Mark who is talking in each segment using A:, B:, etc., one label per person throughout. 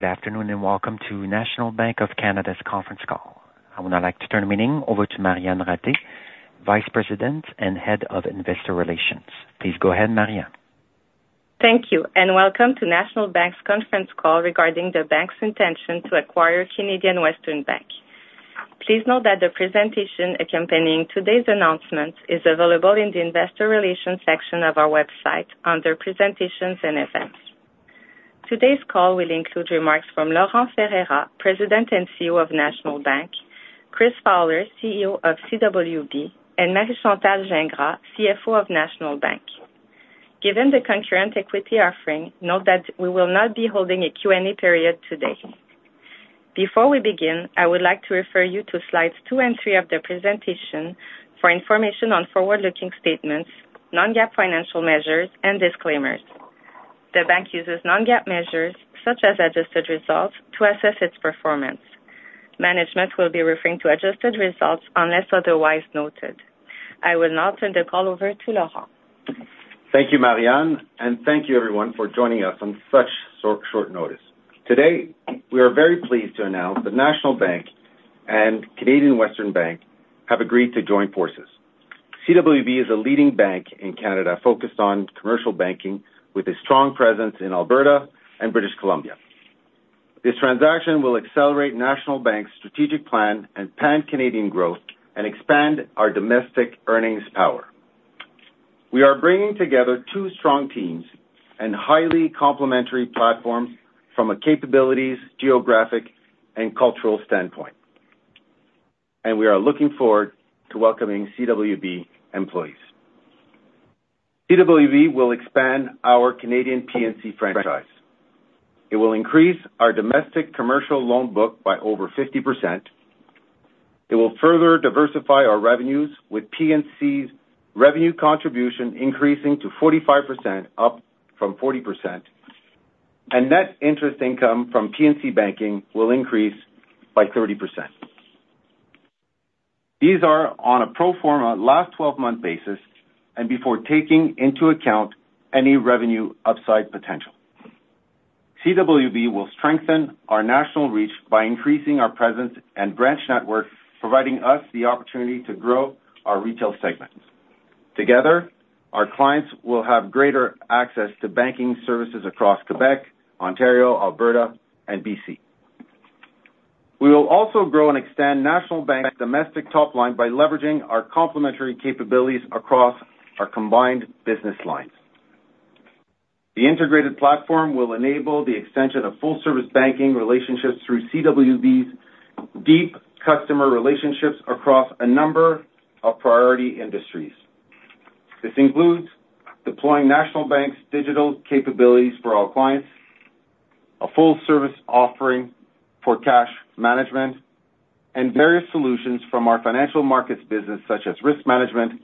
A: Good afternoon, welcome to National Bank of Canada's conference call. I would now like to turn the meeting over to Marianne Ratté, Vice President and Head of Investor Relations. Please go ahead, Marianne.
B: Thank you. Welcome to National Bank's conference call regarding the bank's intention to acquire Canadian Western Bank. Please note that the presentation accompanying today's announcement is available in the investor relations section of our website under presentations and events. Today's call will include remarks from Laurent Ferreira, President and CEO of National Bank, Chris Fowler, CEO of CWB, and Marie-Chantal Gingras, CFO of National Bank. Given the concurrent equity offering, note that we will not be holding a Q&A period today. Before we begin, I would like to refer you to slides two and three of the presentation for information on forward-looking statements, non-GAAP financial measures, and disclaimers. The bank uses non-GAAP measures, such as adjusted results, to assess its performance. Management will be referring to adjusted results unless otherwise noted. I will now turn the call over to Laurent.
C: Thank you, Marianne, and thank you everyone for joining us on such short notice. Today, we are very pleased to announce that National Bank and Canadian Western Bank have agreed to join forces. CWB is a leading bank in Canada focused on commercial banking, with a strong presence in Alberta and British Columbia. This transaction will accelerate National Bank's strategic plan and pan-Canadian growth and expand our domestic earnings power. We are bringing together two strong teams and highly complementary platforms from a capabilities, geographic, and cultural standpoint, and we are looking forward to welcoming CWB employees. CWB will expand our Canadian P&C franchise. It will increase our domestic commercial loan book by over 50%. It will further diversify our revenues, with P&C's revenue contribution increasing to 45%, up from 40%, and net interest income from P&C banking will increase by 30%. These are on a pro forma last 12-month basis, and before taking into account any revenue upside potential. CWB will strengthen our national reach by increasing our presence and branch network, providing us the opportunity to grow our retail segments. Together, our clients will have greater access to banking services across Quebec, Ontario, Alberta, and B.C. We will also grow and extend National Bank's domestic top line by leveraging our complementary capabilities across our combined business lines. The integrated platform will enable the extension of full service banking relationships through CWB's deep customer relationships across a number of priority industries. This includes deploying National Bank's digital capabilities for all clients, a full-service offering for cash management, and various solutions from our financial markets business, such as risk management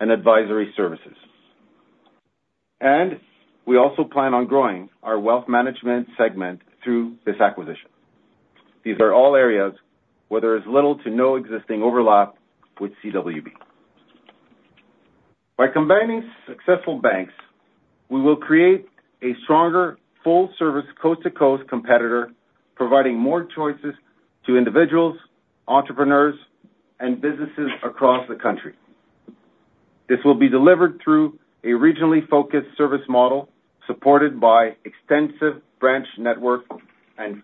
C: and advisory services. We also plan on growing our wealth management segment through this acquisition. These are all areas where there is little to no existing overlap with CWB. By combining successful banks, we will create a stronger full service coast-to-coast competitor, providing more choices to individuals, entrepreneurs, and businesses across the country. This will be delivered through a regionally focused service model supported by extensive branch network and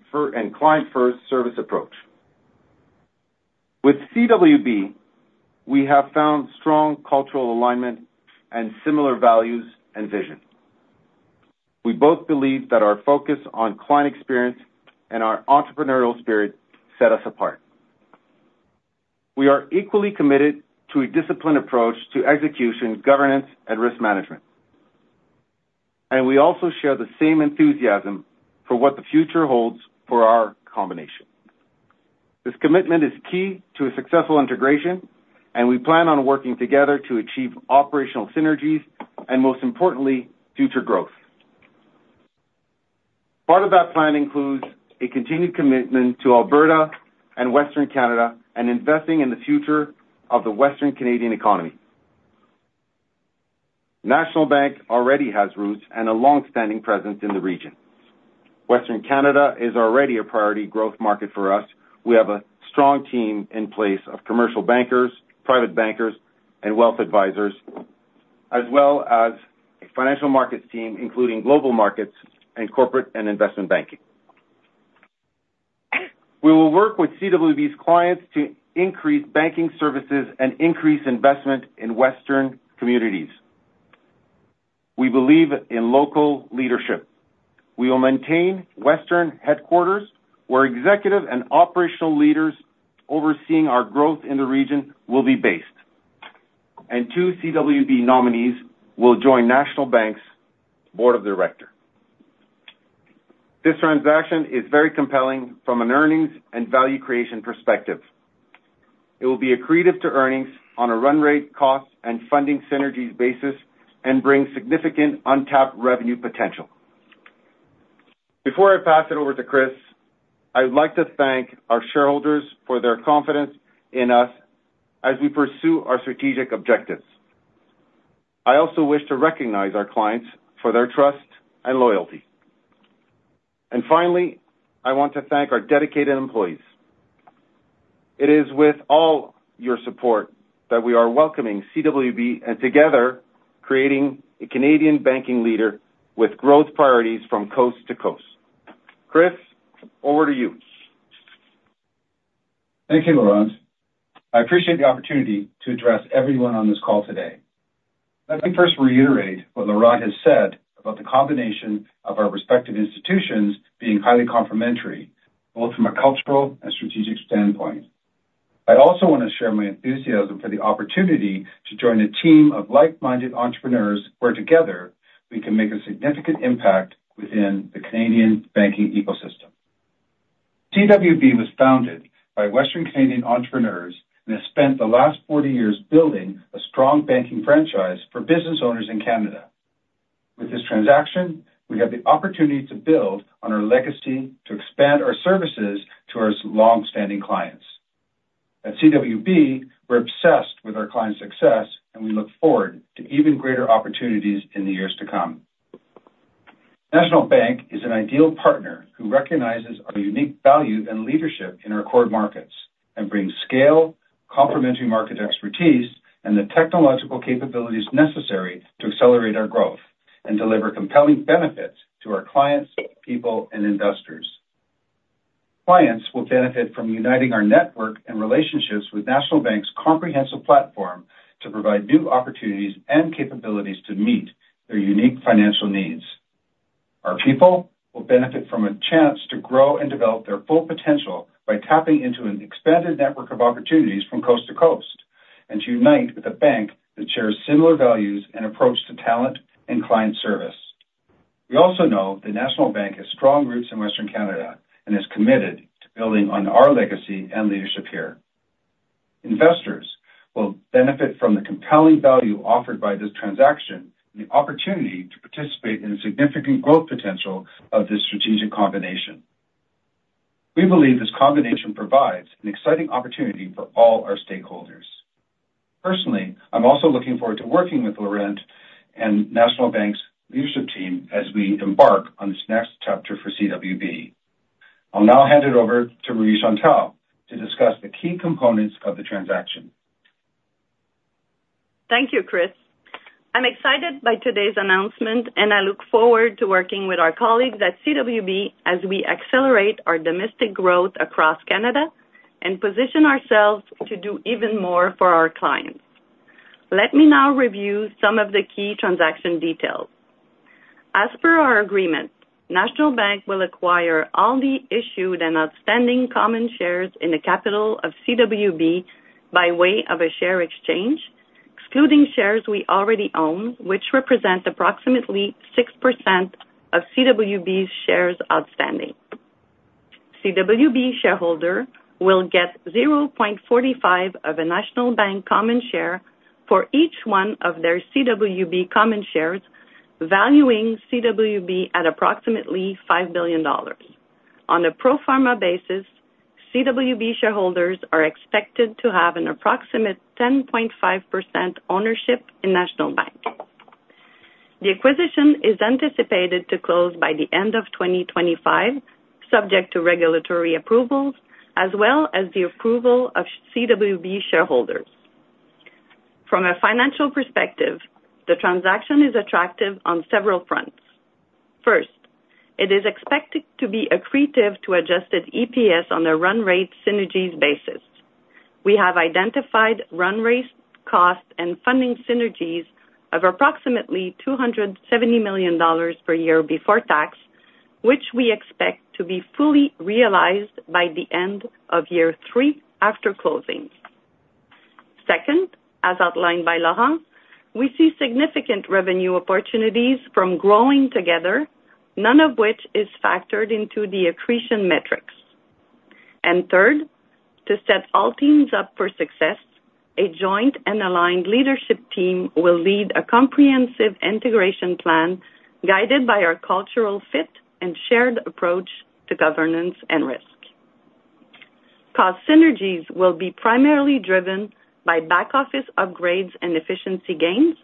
C: client-first service approach. With CWB, we have found strong cultural alignment and similar values and vision. We both believe that our focus on client experience and our entrepreneurial spirit set us apart. We are equally committed to a disciplined approach to execution, governance, and risk management, and we also share the same enthusiasm for what the future holds for our combination. This commitment is key to a successful integration, and we plan on working together to achieve operational synergies and most importantly, future growth. Part of that plan includes a continued commitment to Alberta and Western Canada and investing in the future of the Western Canadian economy. National Bank already has roots and a long-standing presence in the region. Western Canada is already a priority growth market for us. We have a strong team in place of commercial bankers, private bankers, and wealth advisors, as well as a financial markets team, including global markets and corporate and investment banking. We will work with CWB's clients to increase banking services and increase investment in Western communities. We believe in local leadership. We will maintain Western headquarters, where executive and operational leaders overseeing our growth in the region will be based, and two CWB nominees will join National Bank's board of directors. This transaction is very compelling from an earnings and value creation perspective. It will be accretive to earnings on a run rate, cost, and funding synergies basis and bring significant untapped revenue potential. Before I pass it over to Chris, I would like to thank our shareholders for their confidence in us as we pursue our strategic objectives. I also wish to recognize our clients for their trust and loyalty. Finally, I want to thank our dedicated employees. It is with all your support that we are welcoming CWB and together creating a Canadian banking leader with growth priorities from coast to coast. Chris, over to you.
D: Thank you, Laurent. I appreciate the opportunity to address everyone on this call today. Let me first reiterate what Laurent has said about the combination of our respective institutions being highly complementary, both from a cultural and strategic standpoint. I also want to share my enthusiasm for the opportunity to join a team of like-minded entrepreneurs, where together we can make a significant impact within the Canadian banking ecosystem. CWB was founded by Western Canadian entrepreneurs and has spent the last 40 years building a strong banking franchise for business owners in Canada. With this transaction, we have the opportunity to build on our legacy to expand our services to our longstanding clients. At CWB, we're obsessed with our client success, and we look forward to even greater opportunities in the years to come. National Bank is an ideal partner who recognizes our unique value and leadership in our core markets and brings scale, complementary market expertise, and the technological capabilities necessary to accelerate our growth and deliver compelling benefits to our clients, people, and investors. Clients will benefit from uniting our network and relationships with National Bank's comprehensive platform to provide new opportunities and capabilities to meet their unique financial needs. Our people will benefit from a chance to grow and develop their full potential by tapping into an expanded network of opportunities from cost-to-cost, and to unite with a bank that shares similar values and approach to talent and client service. We also know that National Bank has strong roots in Western Canada and is committed to building on our legacy and leadership here. Investors will benefit from the compelling value offered by this transaction and the opportunity to participate in the significant growth potential of this strategic combination. We believe this combination provides an exciting opportunity for all our stakeholders. Personally, I'm also looking forward to working with Laurent and National Bank's leadership team as we embark on this next chapter for CWB. I'll now hand it over to Marie-Chantal to discuss the key components of the transaction.
E: Thank you, Chris. I'm excited by today's announcement, and I look forward to working with our colleagues at CWB as we accelerate our domestic growth across Canada and position ourselves to do even more for our clients. Let me now review some of the key transaction details. As per our agreement, National Bank will acquire all the issued and outstanding common shares in the capital of CWB by way of a share exchange, excluding shares we already own, which represent approximately 6% of CWB's shares outstanding. CWB shareholder will get 0.45 of a National Bank common share for each one of their CWB common shares, valuing CWB at approximately 5 billion dollars. On a pro forma basis, CWB shareholders are expected to have an approximate 10.5% ownership in National Bank. The acquisition is anticipated to close by the end of 2025, subject to regulatory approvals, as well as the approval of CWB shareholders. From a financial perspective, the transaction is attractive on several fronts. First, it is expected to be accretive to adjusted EPS on a run rate synergies basis. We have identified run rate cost and funding synergies of approximately 270 million dollars per year before tax, which we expect to be fully realized by the end of year three after closing. Second, as outlined by Laurent, we see significant revenue opportunities from growing together, none of which is factored into the accretion metrics. Third, to set all teams up for success, a joint and aligned leadership team will lead a comprehensive integration plan guided by our cultural fit and shared approach to governance and risk. Cost synergies will be primarily driven by back-office upgrades and efficiency gains,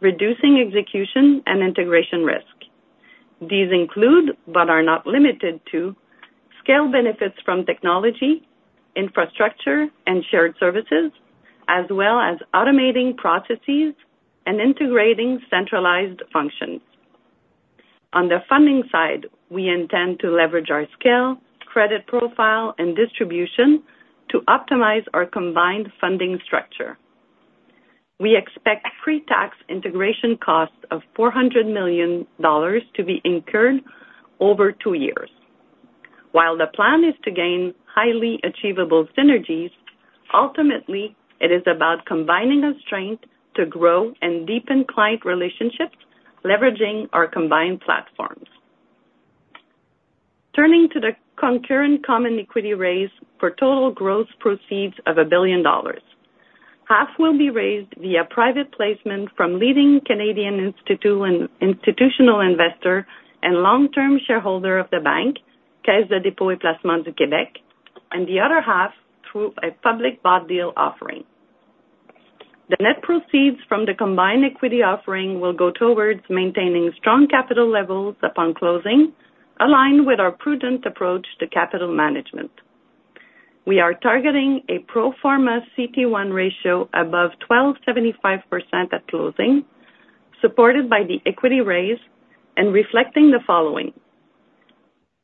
E: reducing execution and integration risk. These include, but are not limited to scale benefits from technology, infrastructure, and shared services, as well as automating processes and integrating centralized functions. On the funding side, we intend to leverage our scale, credit profile, and distribution to optimize our combined funding structure. We expect pre-tax integration costs of 400 million dollars to be incurred over two years. While the plan is to gain highly achievable synergies, ultimately, it is about combining our strength to grow and deepen client relationships, leveraging our combined platforms. Turning to the concurrent common equity raise for total gross proceeds of 1 billion dollars. Half will be raised via private placement from leading Canadian institutional investor and long-term shareholder of the bank, Caisse de dépôt et placement du Québec. The other half through a public bond deal offering. The net proceeds from the combined equity offering will go towards maintaining strong capital levels upon closing, aligned with our prudent approach to capital management. We are targeting a pro forma CET1 ratio above 12.75% at closing, supported by the equity raise and reflecting the following.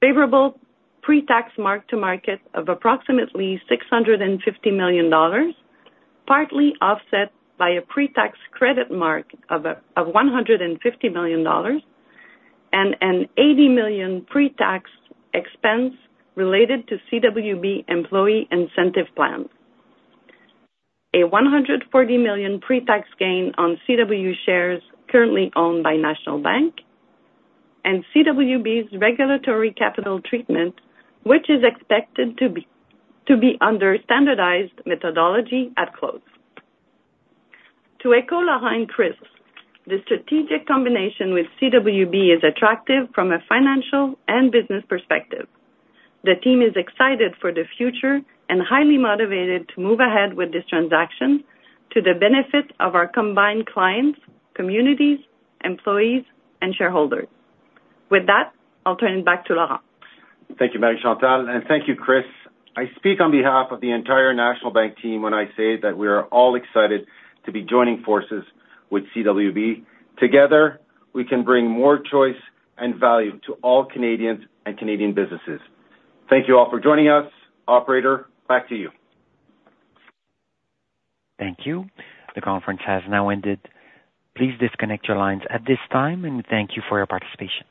E: Favorable pre-tax mark-to-market of approximately 650 million dollars, partly offset by a pre-tax credit mark of 150 million dollars and an 80 million pre-tax expense related to CWB employee incentive plans. A 140 million pre-tax gain on CWB shares currently owned by National Bank, and CWB's regulatory capital treatment, which is expected to be under standardized methodology at close. To echo Laurent, Chris, the strategic combination with CWB is attractive from a financial and business perspective. The team is excited for the future and highly motivated to move ahead with this transaction to the benefit of our combined clients, communities, employees, and shareholders. With that, I'll turn it back to Laurent.
C: Thank you, Marie-Chantal, and thank you, Chris. I speak on behalf of the entire National Bank team when I say that we are all excited to be joining forces with CWB. Together, we can bring more choice and value to all Canadians and Canadian businesses. Thank you all for joining us. Operator, back to you.
A: Thank you. The conference has now ended. Please disconnect your lines at this time, and thank you for your participation.